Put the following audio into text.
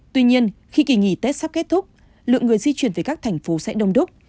tuy nhiên khi kỳ nghỉ tết sắp kết thúc lượng người di chuyển về các thành phố sẽ đông đúc